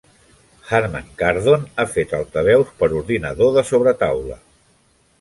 Harman Kardon ha fet altaveus per ordinador de sobretaula.